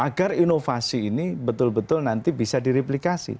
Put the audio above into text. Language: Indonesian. agar inovasi ini betul betul nanti bisa direplikasi